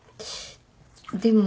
でも。